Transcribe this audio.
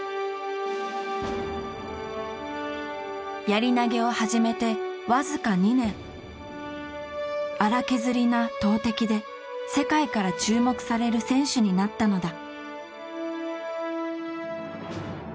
やり投げを始めて僅か２年粗削りな投てきで世界から注目される選手になったのだ。